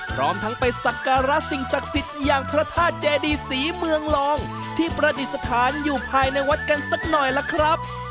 พร้อมทั้งไปสักการะสิ่งศักดิ์สิทธิ์อย่างพระธาตุเจดีศรีเมืองรองที่ประดิษฐานอยู่ภายในวัดกันสักหน่อยล่ะครับ